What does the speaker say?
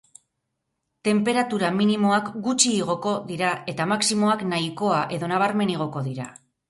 Tenperatura minimoak gutxi igoko dira eta maximoak nahikoa edo nabarmen igoko dira.